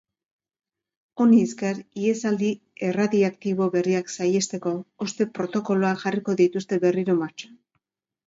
Honi esker, ihesaldi erradiaktibo berriak sahiesteko hozte protokoloak jarriko dituzte berriro martxan.